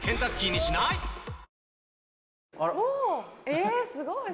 えすごい！